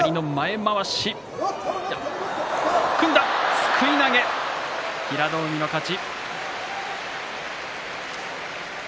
すくい投げ、平戸海の勝ち。